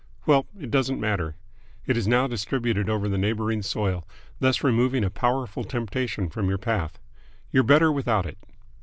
Well, it doesn't matter. It is now distributed over the neighbouring soil, thus removing a powerful temptation from your path. You're better without it."